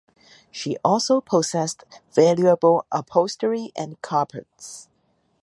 She also possessed valuable upholstery and carpets.